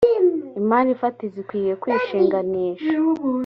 imari fatizo ikwiriye kwishinganisha.